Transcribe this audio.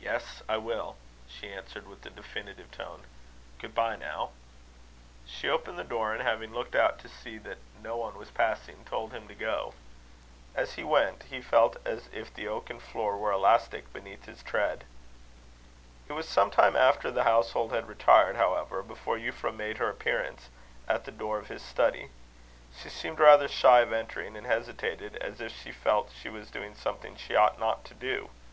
"Yes, I will," she answered, with a definitive tone. "Good bye, now." She opened the door, and having looked out to see that no one was passing, told him to go. As he went, he felt as if the oaken floor were elastic beneath his tread. It was sometime after the household had retired, however, before Euphra made her appearance at the door of his study. She seemed rather shy of entering, and hesitated, as if she felt she was doing something she ought not to do.